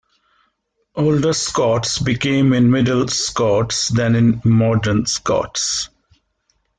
Older Scots became in Middle Scots then in Modern Scots.